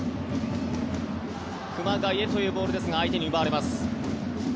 熊谷へというボールですが相手に奪われます。